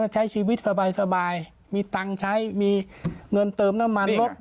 ใช้ชีวิตสบายมีตังค์ใช้มีเงินเติมน้ำมันรถ